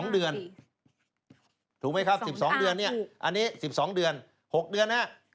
๒๒เดือนถูกไหมครับ๑๒เดือนอันนี้๑๒เดือน